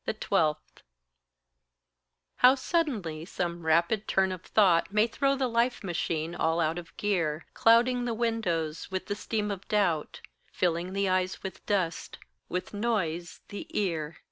12. How suddenly some rapid turn of thought May throw the life machine all out of gear, Clouding the windows with the steam of doubt, Filling the eyes with dust, with noise the ear!